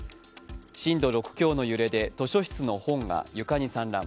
震度６強の揺れで図書室の本が床に散乱。